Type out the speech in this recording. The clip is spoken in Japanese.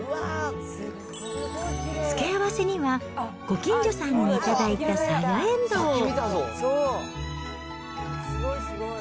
付け合わせには、ご近所さんに頂いたさやえんどうを。